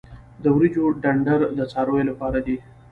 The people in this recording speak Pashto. د وریجو ډنډر د څارویو لپاره دی.